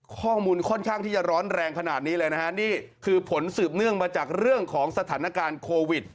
ข้อมูลค่อนข้างที่จะร้อนแรงขนาดนี้เลยนะฮะนี่คือผลสืบเนื่องมาจากเรื่องของสถานการณ์โควิด